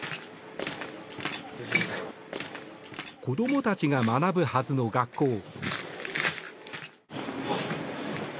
子供たちが学ぶはずの学校。